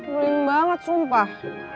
maling banget sumpah